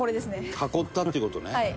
囲ったっていう事ね。